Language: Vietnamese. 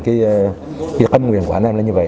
cái âm nguyện của anh em là như vậy